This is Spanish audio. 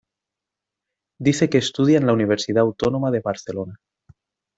Dice que estudia en la Universidad Autónoma de Barcelona.